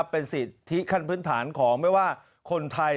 เป็นสิทธิคันพื้นฐานของไทย